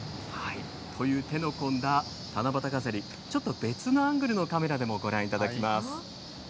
こういう手の込んだ七夕飾り、ちょっと別のアングルのカメラでもご覧いただきます。